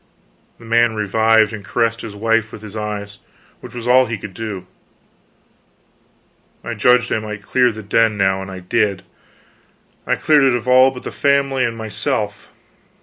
The man revived and caressed his wife with his eyes, which was all he could do. I judged I might clear the den, now, and I did; cleared it of all but the family and myself.